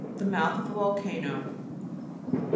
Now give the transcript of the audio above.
The mouth of a vol cano (p.